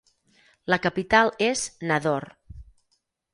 La capital és Nador.